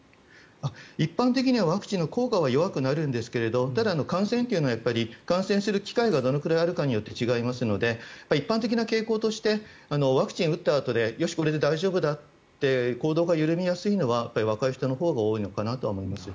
一般的にはワクチンの効果は弱くなるんですけどただ、感染する機会がどれくらいあるかで違いますので一般的な傾向としてワクチンを打ったあとでよし、これで大丈夫だって行動が緩みやすいのは若い人のほうが多いのかなと思います。